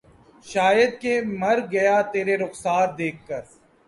شاید کہ مر گیا ترے رخسار دیکھ کر